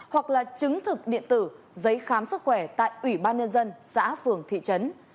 hoặc là chứng thực điện tử giấy khám sức khỏe tại ủy ban nhân dân xã phường thị trấn